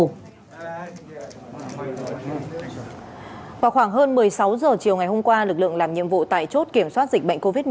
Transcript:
vào khoảng hơn một mươi sáu h chiều ngày hôm qua lực lượng làm nhiệm vụ tại chốt kiểm soát dịch bệnh covid một mươi chín